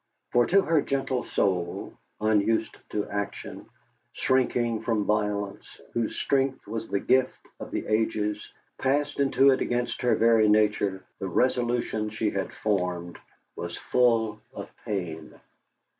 For to her gentle soul, unused to action, shrinking from violence, whose strength was the gift of the ages, passed into it against her very nature, the resolution she had formed was full of pain.